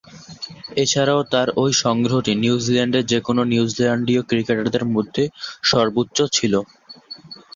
এছাড়াও তার ঐ সংগ্রহটি নিউজিল্যান্ডে যে-কোন নিউজিল্যান্ডীয় ক্রিকেটারদের মধ্যে সর্বোচ্চ ছিল।